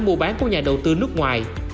mua bán của nhà đầu tư nước ngoài